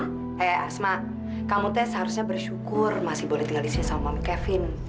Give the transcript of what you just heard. hei asma kamu teh seharusnya bersyukur masih boleh tinggal disini sama mami kevin